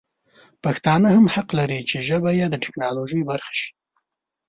پښتانه هم حق لري چې ژبه یې د ټکنالوژي برخه شي.